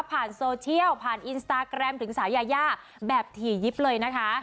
โซเชียลผ่านอินสตาแกรมถึงสาวยายาแบบถี่ยิบเลยนะคะ